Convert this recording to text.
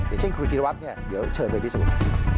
อย่างเช่นคุณพิธีระวักษณ์เนี่ยเดี๋ยวเชิญไปพิสูจน์